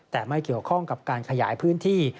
แต่ไม่เกี่ยวข้องกับการขยายพื้นที่